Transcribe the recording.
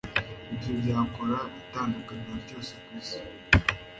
Ibyo byakora itandukaniro ryose kwisi